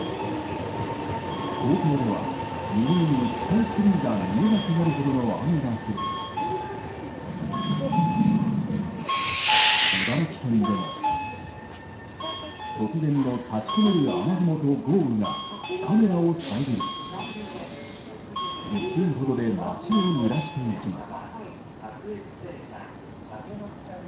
東京では未明に、スカイツリーが見えなくなるほどの雨が降り茨城県でも突然の立ち込める雨雲と豪雨がカメラを遮り、１０分ほどで街をぬらしていきます。